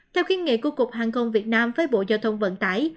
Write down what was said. theo khuyên nghị của cục hàng không việt nam với bộ giao thông vận tải